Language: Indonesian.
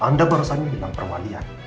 anda berusaha menghilang perwalian